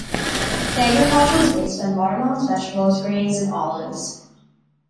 The agriculture was based on watermelons, vegetables, grain and olives.